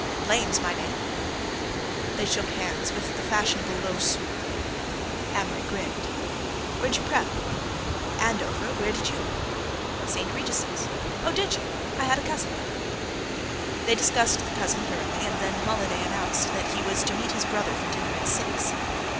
"Blaine's my name." They shook hands with the fashionable low swoop. Amory grinned. "Where'd you prep?" "Andover—where did you?" "St. Regis's." "Oh, did you? I had a cousin there." They discussed the cousin thoroughly, and then Holiday announced that he was to meet his brother for dinner at six.